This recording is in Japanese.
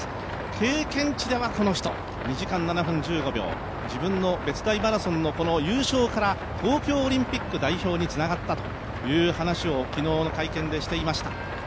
経験値ではこの人２時間７分１５秒、自分の別大マラソンの優勝から東京オリンピック代表につながったという話を昨日の会見でしていました。